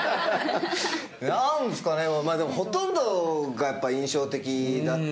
何すかねでもほとんどがやっぱ印象的だったので。